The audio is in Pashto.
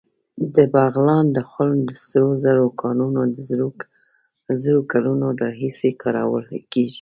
د بغلان د خلم د سرو زرو کانونه د زرو کلونو راهیسې کارول کېږي